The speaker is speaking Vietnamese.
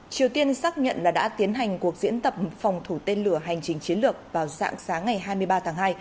triều tiên xác nhận là đã tiến hành cuộc diễn tập phòng thủ tên lửa hành trình chiến lược vào dạng sáng ngày hai mươi ba tháng hai